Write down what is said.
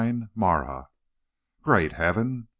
MARAH. "Great heaven!